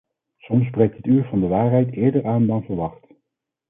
Soms breekt het uur van de waarheid eerder aan dan verwacht.